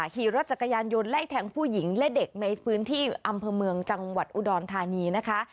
ขี่รถจักรยานยนต์ไล่แทงผู้หญิงและเด็กในพื้นที่อำเภอเมืองจังหวัดอุดรธานีนะคะ